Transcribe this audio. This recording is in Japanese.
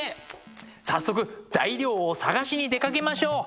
早速材料を探しに出かけましょう。